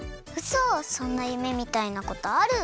そんなゆめみたいなことある？